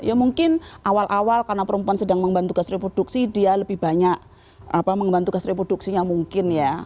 ya mungkin awal awal karena perempuan sedang membantu gas reproduksi dia lebih banyak membantu gas reproduksinya mungkin ya